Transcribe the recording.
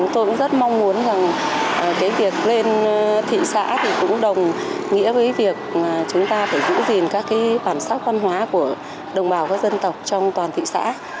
tôi cũng rất mong muốn rằng cái việc lên thị xã thì cũng đồng nghĩa với việc chúng ta phải giữ gìn các cái bản sắc văn hóa của đồng bào các dân tộc trong toàn thị xã